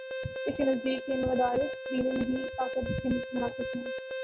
اس کے نزدیک یہ مدارس دین نہیں، طاقت کے مراکز ہیں۔